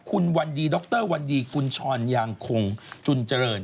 คุณวันดีดรวันดีกุญชรยางคงจุนเจริญ